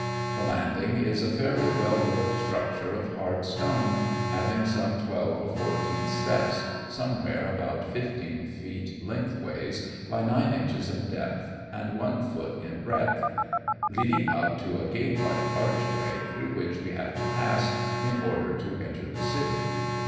The landing is a fairly well built structure of hard stone, having some twelve or fourteen steps, some where about fifteen feet lengthways by nine inches in depth and one foot in breadth, leading up to a gate like archway, through which we have to pass in order to enter the city.